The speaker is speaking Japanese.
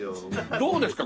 どうですか？